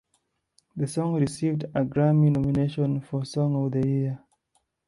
The song received a Grammy nomination for Song of the Year.